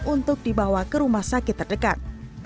untuk dibawa ke rumah sakit terdekat